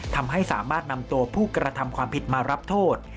ทำให้สามารถนำตัวผู้กระทำความผิดมารับโทษ